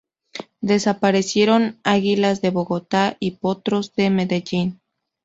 Desaparecieron Águilas de Bogotá y Potros de Medellín.